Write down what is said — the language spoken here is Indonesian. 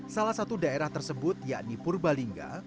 salah satu daerah tersebut yakni purbalingga